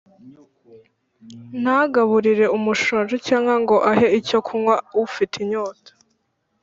ntagaburire umushonji, cyangwa ngo ahe icyo kunywa ufite inyota.